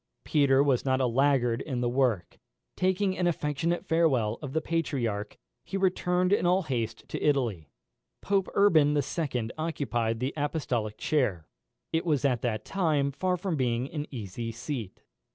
Peter was not a laggard in the work. Taking an affectionate farewell of the Patriarch, he returned in all haste to Italy. Pope Urban II. occupied the apostolic chair. It was at that time far from being an easy seat.